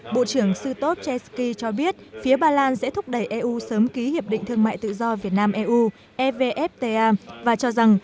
bộ trưởng sư tốt chesky cho biết phía ba lan sẽ thúc đẩy eu sớm ký hiệp định thương mại tự do việt nam eu evfta và cho rằng